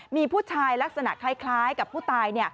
มีผู้ชายลักษณะคล้ายกับผู้ตาย